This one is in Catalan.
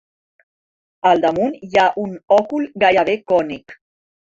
Al damunt hi ha un òcul gairebé cònic.